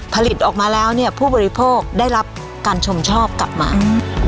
ผลิตออกมาแล้วเนี่ยผู้บริโภคได้รับการชมชอบกลับมา